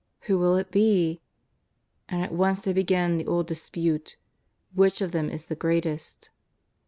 Who will it be ? And at once the}' begin the old dispute — which of them is the greatest.